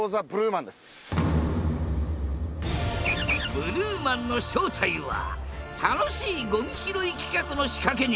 ブルーマンの正体は「楽しいごみ拾い」企画の仕掛け人！